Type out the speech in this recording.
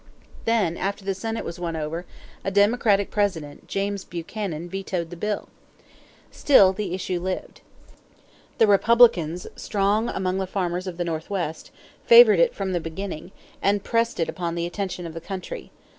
Then, after the Senate was won over, a Democratic President, James Buchanan, vetoed the bill. Still the issue lived. The Republicans, strong among the farmers of the Northwest, favored it from the beginning and pressed it upon the attention of the country.